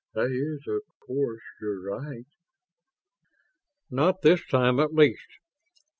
That is of course your right." "Not this time, at least."